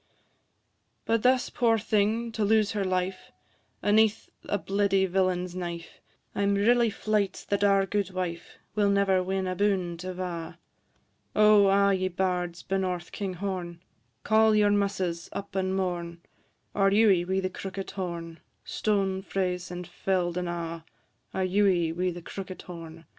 But thus, poor thing, to lose her life, Aneath a bleedy villain's knife, I 'm really fleyt that our guidwife Will never win aboon 't ava: O! a' ye bards benorth Kinghorn, Call your muses up and mourn, Our Ewie wi' the crookit horn Stown frae 's, and fell'd and a'! Our Ewie wi' the crookit horn, &c.